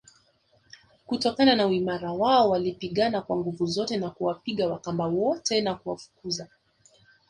kutokana na uimara wao walipigana kwa nguvu zote na kuwapiga Wakamba wote na kuwafukuza